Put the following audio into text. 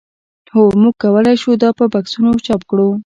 هو موږ کولی شو دا په بکسونو چاپ کړو